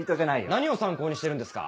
何を参考にしてるんですか？